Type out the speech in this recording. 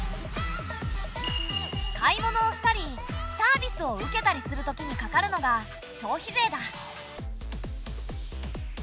買い物をしたりサービスを受けたりするときにかかるのが消費税だ。